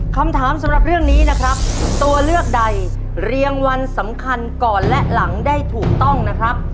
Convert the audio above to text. คำถามสำหรับเรื่องนี้นะครับตัวเลือกใดเรียงวันสำคัญก่อนและหลังได้ถูกต้องนะครับ